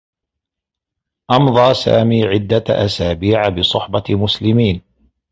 أمضى سامي عدّة أسابيع بصحبة مسلمين.